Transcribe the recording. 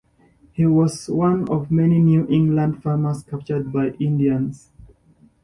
He was one of many New England farmers captured by Indians.